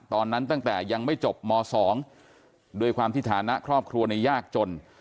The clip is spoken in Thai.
ตั้งแต่ยังไม่จบม๒ด้วยความที่ฐานะครอบครัวนี้ยากจน